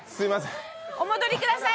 お戻りください！